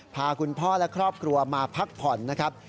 พาคุณพ่อและครอบครัวมาพักผ่อนนะครับ